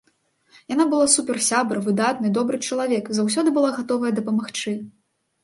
Яна была суперсябра, выдатны, добры чалавек, заўсёды была гатовая дапамагчы.